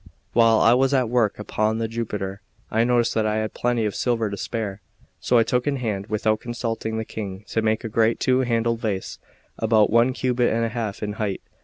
While I was at work upon the Jupiter, I noticed that I had plenty of silver to spare. So I took in hand, without consulting the King, to make a great two handled vase, about one cubit and a half in height.